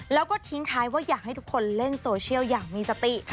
แล้วก็ทิ้งท้ายว่าอยากให้ทุกคนเล่นโซเชียลอย่างมีสติ